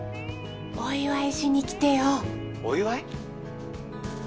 お祝いしにきてよお祝い？